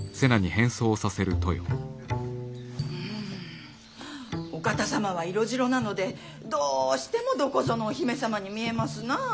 うんお方様は色白なのでどうしてもどこぞのお姫様に見えますなあ。